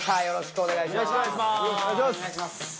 よろしくお願いします。